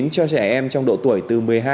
cho trẻ em trong độ tuổi từ một mươi hai